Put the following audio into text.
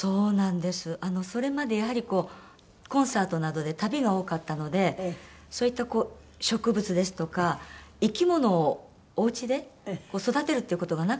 それまでやはりコンサートなどで旅が多かったのでそういった植物ですとか生き物をおうちで育てるっていう事がなかったんですね。